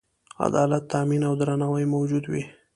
عدالت تأمین او درناوی موجود وي.